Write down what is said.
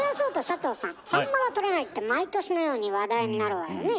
「サンマが取れない」って毎年のように話題になるわよね。